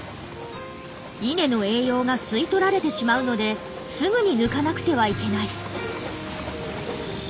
稲の栄養が吸い取られてしまうのですぐに抜かなくてはいけない。